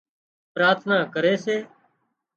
پراٿنا ڪري سي